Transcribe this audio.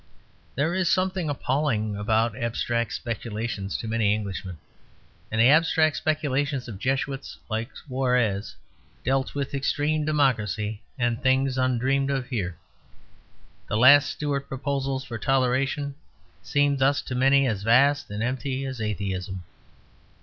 There is something appalling about abstract speculations to many Englishmen; and the abstract speculations of Jesuits like Suarez dealt with extreme democracy and things undreamed of here. The last Stuart proposals for toleration seemed thus to many as vast and empty as atheism.